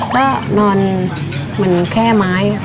ก็นอนเหมือนแค่ไม้